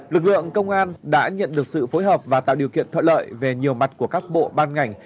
lực lượng công an đã nhận được sự phối hợp và tạo điều kiện thuận lợi về nhiều mặt của các bộ ban ngành